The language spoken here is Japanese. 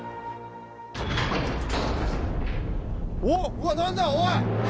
うわっ何だおい！